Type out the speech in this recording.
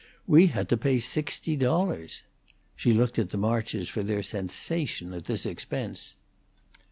We had to pay sixty dollars." She looked at the Marches for their sensation at this expense.